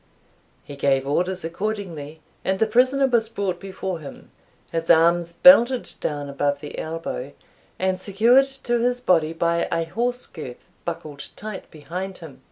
He gave orders accordingly, and the prisoner was brought before him, his arms belted down above the elbow, and secured to his body by a horse girth buckled tight behind him.